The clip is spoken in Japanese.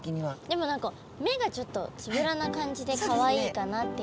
でも何か目がちょっとつぶらな感じでかわいいかなっていう。